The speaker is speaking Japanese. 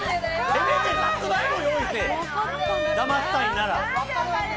だましたいなら。